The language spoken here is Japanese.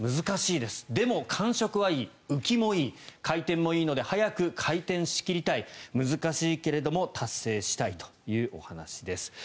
難しいですでも、感触はいい浮きもいい、回転もいいので早く回転しきりたい難しいけども達成したいというお話です。